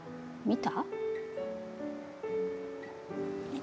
見た。